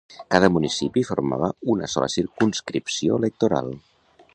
Cada municipi formava una sola circumscripció electoral.